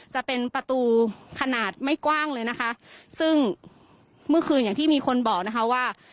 จะเป็นประตูขนาดไม่กว้างเลยนะคะซึ่งเมื่อคืนอย่างที่มีคนบอกนะคะว่า